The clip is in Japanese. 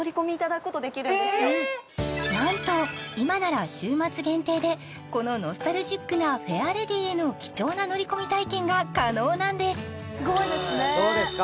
何と今なら週末限定でこのノスタルジックなフェアレディへの貴重な乗り込み体験が可能なんですすごいですねどうですか？